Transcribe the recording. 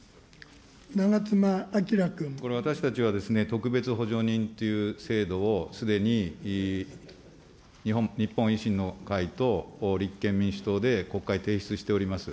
これ、私たちはですね、特別補助人という制度を、すでに日本維新の会と立憲民主党で国会提出しております。